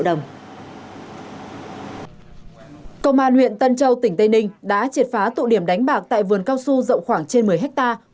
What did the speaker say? công an huyện tân châu tỉnh tây ninh đã triệt phá tụ điểm đánh bạc tại vườn cao su rộng khoảng trên một mươi hectare